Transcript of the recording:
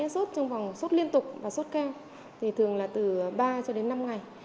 sốt trong vòng sốt liên tục và sốt cao thì thường là từ ba cho đến năm ngày